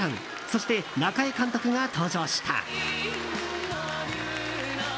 そして、中江監督が登場した。